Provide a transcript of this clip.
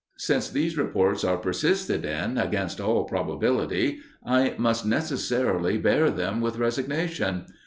Since these reports are persisted in, against all probability, I must necessarily bear them with resignation.